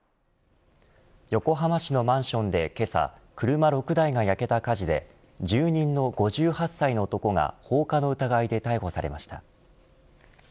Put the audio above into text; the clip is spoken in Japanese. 横浜市のマンションでけさ車６台が焼けた火事で住人の５８歳の男が放火の疑いで逮捕されました。